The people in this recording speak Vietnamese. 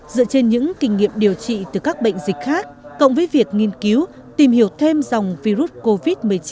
dựa trên những kinh nghiệm điều trị từ các bệnh dịch khác cộng với việc nghiên cứu tìm hiểu thêm dòng virus covid một mươi chín